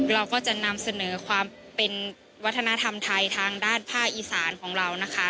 เราก็จะนำเสนอความเป็นวัฒนธรรมไทยทางด้านภาคอีสานของเรานะคะ